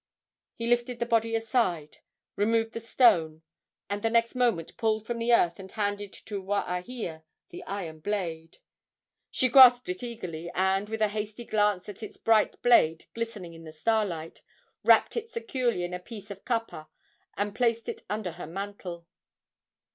He lifted the body aside, removed the stone, and the next moment pulled from the earth and handed to Waahia the iron blade. She grasped it eagerly, and, with a hasty glance at its bright blade glistening in the starlight, wrapped it securely in a piece of kapa and placed it under her mantle.